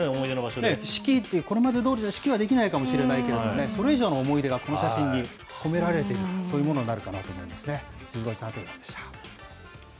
式って、これまでどおりの式はできないかもしれないですけどね、それ以上の思い出がこの写真に込められている、そういうものになるかなと思いますね。